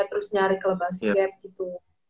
terus nyari kela basket gitu